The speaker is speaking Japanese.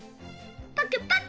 パクパク！